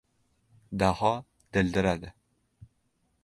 Daho dildiradi.